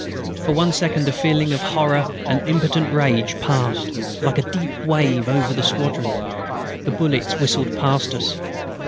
For one second a feeling of horror and impotent rage passed, like a deep wave, over the squadron. The bullets whistled past us.